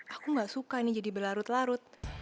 aku gak suka ini jadi berlarut larut